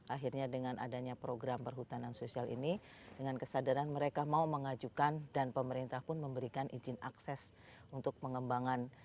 akhirnya dengan adanya program perhutanan sosial ini dengan kesadaran mereka mau mengajukan dan pemerintah pun memberikan izin akses untuk pengembangan